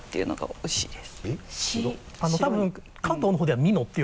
おいしいです。